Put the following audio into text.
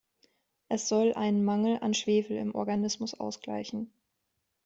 Es soll einen Mangel an Schwefel im Organismus ausgleichen.